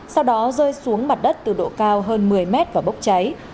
sau đó rơi xuống mặt đất từ độ cao hơn một mươi mét và bốc cháy